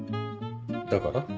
だから？